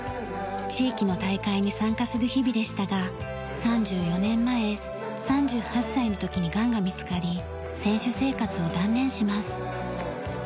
地域の大会に参加する日々でしたが３４年前３８歳の時にがんが見つかり選手生活を断念します。